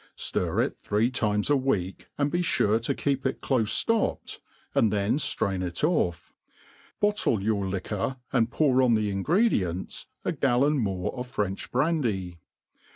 Stir it three times a week, and be fure to keep it clofe flopped, and then flrain it off; bottle your liquor, and pour on the ingredients a gallon more of French brandy.